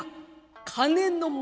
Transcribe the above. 「金のもと」。